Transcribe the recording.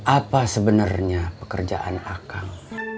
apa sebenarnya pekerjaan akang